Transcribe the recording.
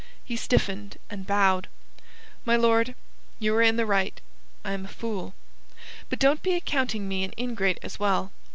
He stiffened and bowed. "My lord, you are in the right. I am a fool. But don't be accounting me an ingrate as well.